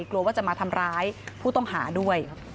กลัวว่าจะมาทำร้ายผู้ต้องหาด้วย